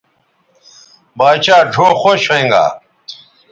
باچھا ڙھؤ خوش ھوینگا